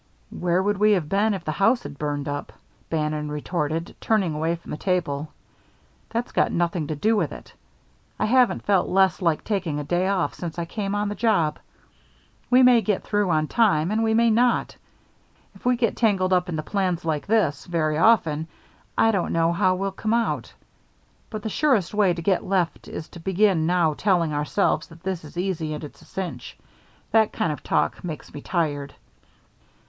"Where would we have been if the house had burned up?" Bannon retorted, turning away from the table. "That's got nothing to do with it. I haven't felt less like taking a day off since I came on the job. We may get through on time and we may not. If we get tangled up in the plans like this, very often, I don't know how we'll come out. But the surest way to get left is to begin now telling ourselves that this is easy and it's a cinch. That kind of talk makes me tired."